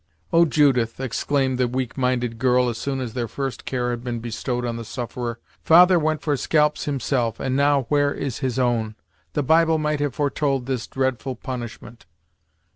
"Oh! Judith," exclaimed the weak minded girl, as soon as their first care had been bestowed on sufferer. "Father went for scalps, himself, and now where is his own? The Bible might have foretold this dreadful punishment!"